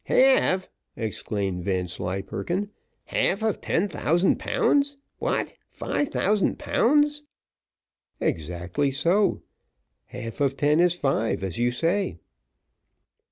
"Half!" exclaimed Vanslyperken; "half of ten thousand pounds? What, five thousands pounds?" "Exactly so; half of ten is five, as you say."